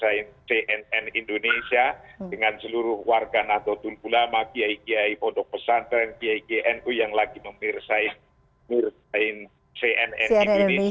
saya ingin menyertai cnn indonesia dengan seluruh warga nato tulpulama kiai kiai pondok pesantren kiai kiai nu yang lagi memirsain cnn indonesia